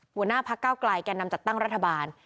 หัวหน้าพักเก้าไกลแก่นำจัดตั้งรัฐบาล